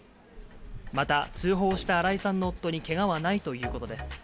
また通報した新井さんの夫にけがはないということです。